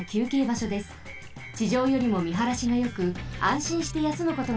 ちじょうよりもみはらしがよくあんしんしてやすむことができます。